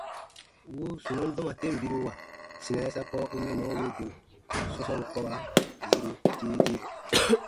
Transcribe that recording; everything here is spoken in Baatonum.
Wuu sunɔn dɔma ten biruwa sina yasakpɔ u mɛnnɔ wiru go sɔ̃sɔɔn kɔba yiru dee dee.